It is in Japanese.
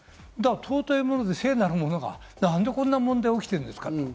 尊いもので聖なるものが何でこんな問題が起きてるんですかと。